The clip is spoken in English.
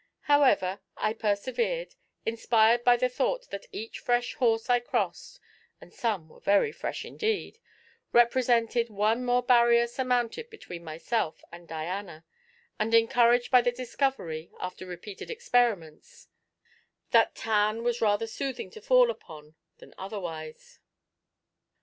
However, I persevered, inspired by the thought that each fresh horse I crossed (and some were very fresh indeed) represented one more barrier surmounted between myself and Diana, and encouraged by the discovery, after repeated experiments, that tan was rather soothing to fall upon than otherwise.